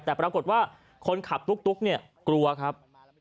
แต่ปรากฏว่าคนขับตุ๊กเนี่ยกลัวครับ